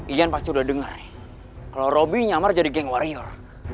iyan pasti udah denger nih kalau robby nyamar jadi geng warior